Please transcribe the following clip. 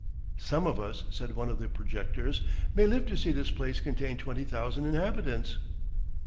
"Some of us," said one of the projectors, "may live to see this place contain twenty thousand inhabitants."